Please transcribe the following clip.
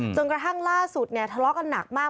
จนกระทั่งล่าสุดเนี่ยทะเลาะกันหนักมาก